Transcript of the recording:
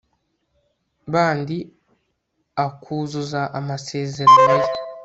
bandi ; akuzuza amasezerano ye